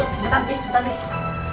sebentar deh sebentar deh